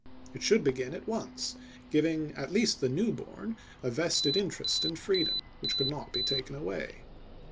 It should be gin at once, giving at least the new born a vested interest in freedom, which could not be taken away.